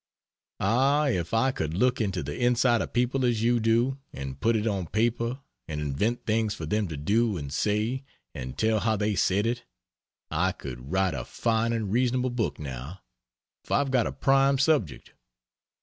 Ah, if I could look into the inside of people as you do, and put it on paper, and invent things for them to do and say, and tell how they said it, I could writs a fine and readable book now, for I've got a prime subject.